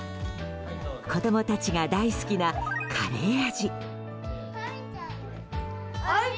子供たちが大好きなカレー味。